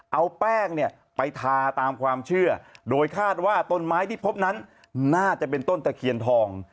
เอาแป้งเนี่ยไปทาตามความเชื่อโดยคาดว่าต้นไม้ที่พบนั้นน่าจะเป็นต้นตะเคียนทอง